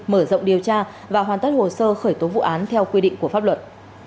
mở rộng điều tra và hoàn tất hồ sơ khởi tố vụ án theo quy định của pháp luật